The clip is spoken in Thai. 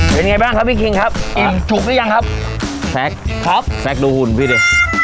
เป็นไงบ้างครับพี่คิงครับถูกหรือยังครับแซคครับแซ็กดูหุ่นพี่ดิ